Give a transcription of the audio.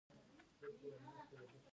د بارک کلی موقعیت